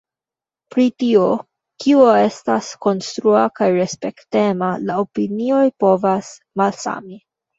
Pri tio kio estas konstrua kaj respektema la opinioj povas malsami.